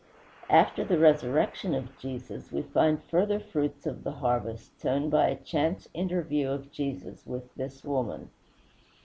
After the resurrection of Jesus, we find further fruits of the harvest sown by a chance interview of Jesus with this woman.